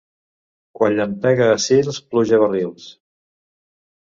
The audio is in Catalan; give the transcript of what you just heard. Quan llampega a Sils pluja a barrils.